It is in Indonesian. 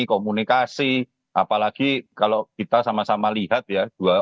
komunikasi apalagi kalau kita sama sama lihat ya